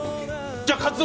じゃあカツ丼！